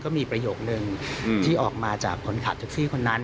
มีประโยคนึงที่ออกมาจากคนขับแท็กซี่คนนั้น